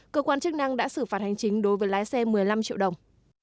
cơ quan chức năng đã xử phạt hành chính đối với lái xe một mươi năm triệu đồng